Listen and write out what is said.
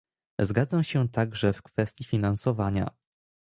Zgadzam się także w kwestii finansowania